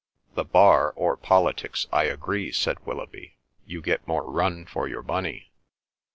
'" "The Bar or politics, I agree," said Willoughby. "You get more run for your money."